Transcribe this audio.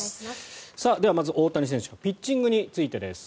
では、まず大谷選手のピッチングについてです。